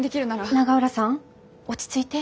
永浦さん落ち着いて。